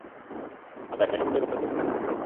আমরা এখানেই শত্রুদের গতিরোধ করব।